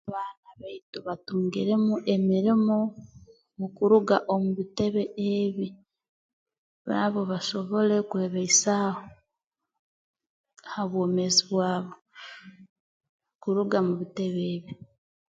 Abaana baitu batungiremu emirimo mu kuruga omu bitebe ebi nabo basobole kwebeisaaho ha bwomeezi bwabo kuruga mu bitebe ebi